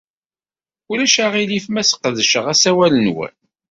Ulac aɣilif ma sqedceɣ asawal-nwen?